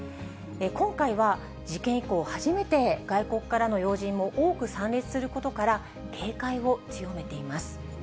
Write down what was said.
今回は事件以降、初めて外国からの要人も多く参列することから、警戒を強めています。